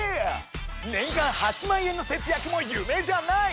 年間８万円の節約も夢じゃない！